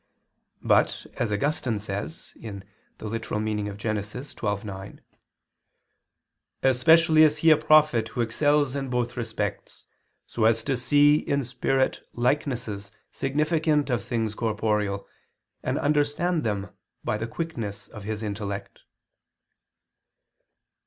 But, as Augustine says (Gen. ad lit. xii, 9), "especially is he a prophet who excels in both respects, so," to wit, "as to see in spirit likenesses significant of things corporeal, and understand them by the quickness of his intellect."